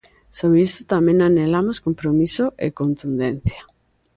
Sobre isto tamén anhelamos compromiso e contundencia.